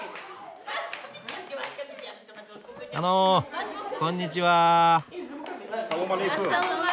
あのこんにちは。